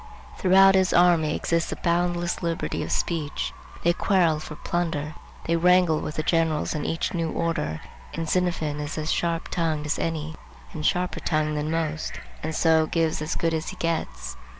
Throughout his army exists a boundless liberty of speech. They quarrel for plunder, they wrangle with the generals on each new order, and Xenophon is as sharp tongued as any and sharper tongued than most, and so gives as good as he gets.